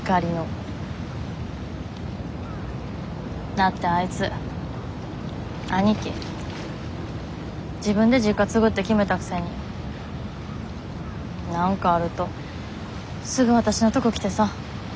だってあいつ兄貴自分で実家継ぐって決めたくせに何かあるとすぐわたしのとこ来てさ。